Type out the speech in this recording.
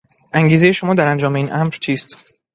انگیزهی شما در انجام این امر چیست؟